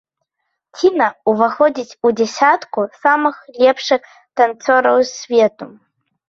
Ціна ўваходзіць у дзясятку самых лепшых танцораў свету.